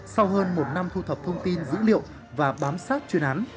sau hơn một năm thu thập thông tin dữ liệu và bám sát chuyên án